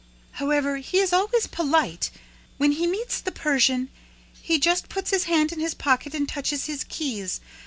"However, he is always polite. When he meets the Persian, he just puts his hand in his pocket and touches his keys.